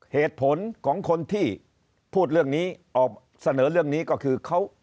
เหตุผลของคนที่พูดเรื่องนี้ออกเสนอเรื่องนี้ก็คือเขา